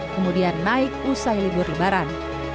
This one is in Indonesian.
kemudian naik usai libur lebaran